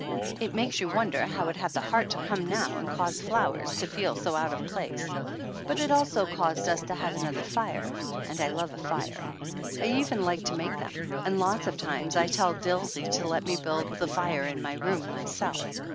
It makes you wonder how it had the heart to come now and cause the flowers to feel 248 THE ANNALS OF ANN so out of place. But it has also caused us to have another fire and I love a fire. I even like to make them, and lots of times I tell Dilsey to let me build the fire in my room myself.